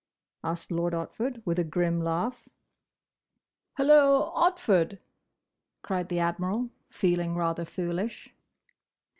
asked Lord Otford, with a grim laugh. "Hulloa, Otford!" cried the Admiral, feeling rather foolish.